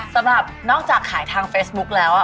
สำหรับนอกจากขายทางเฟซบุ๊กแล้ว